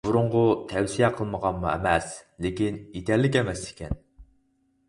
بۇرۇنغۇ تەۋسىيە قىلمىغانمۇ ئەمەس، لېكىن يېتەرلىك ئەمەس ئىكەن.